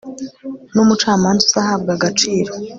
n umucamanza uzahabwa agaciro